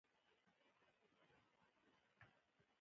زه ستاسو مشورې ته ډیر ارزښت ورکوم او اړتیا لرم